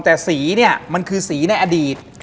แต่สีมันคือสีในอดีต